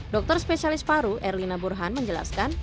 dokter spesialis paru erlina burhan menjelaskan